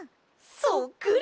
そっくり！